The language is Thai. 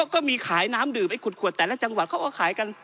ก็มีขายน้ำดื่มไอขุดขวดแต่ละจังหวัดเขาก็ขายกัน